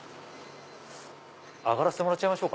上がらせてもらっちゃいましょう。